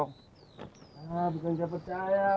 ah bukan saya percaya